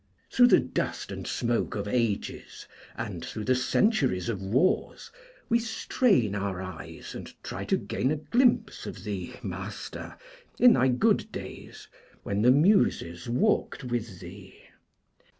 Through the dust and smoke of ages, and through the centuries of wars we strain our eyes and try to gain a glimpse of thee, Master, in thy good days, when the Muses walked with thee.